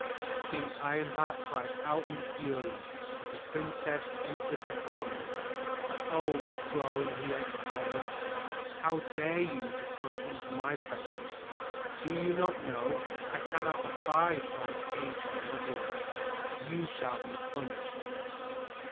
King Ironheart cried out in fury as the princess entered the throne room. "Old crone!" he exclaimed. "How dare you to come into my presence? Do you not know I cannot abide old age or ugliness? You shall be punished."